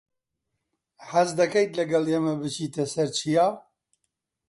حەز دەکەیت لەگەڵ ئێمە بچیتە سەر چیا؟